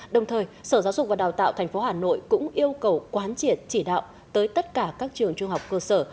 đồng thời sở giáo dục và đào tạo tp hà nội cũng yêu cầu quán triệt chỉ đạo tới tất cả các trường trung học cơ sở